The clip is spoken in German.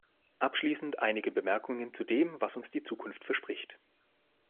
Abschließend einige Bemerkungen zu dem, was uns die Zukunft verspricht.